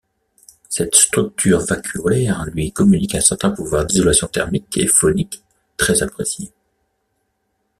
Cette structure vacuolaire lui communique un certain pouvoir d'isolation thermique et phonique, très apprécié.